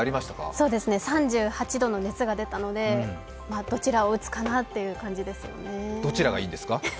そうですね３８度の熱が出たのでどちらを打つかなという感じですかねぇ。